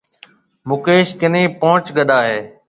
مڪيش ڪنَي پونچ گڏا هيَ۔